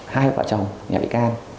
hai vợ chồng nhà bị can